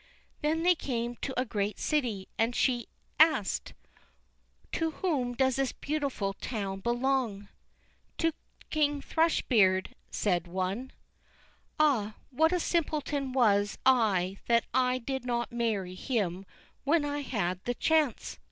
Then they came to a great city, and she asked: "To whom does this beautiful town belong?" "To King Thrush beard," said one. "Ah, what a simpleton was I that I did not marry him when I had the chance!"